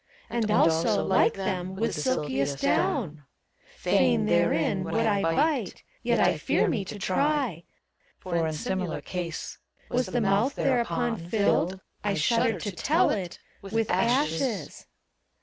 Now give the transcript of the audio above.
And also, like them, with the silkiest downt Fain therein would I bite, yet I fear me to try ;^ ACT III. 157 For, in similar case, was the mouth thereupon Filled — I shudder to tell it f— with ashes.